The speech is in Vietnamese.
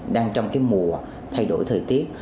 đang trong cái mùa thay đổi thời tiết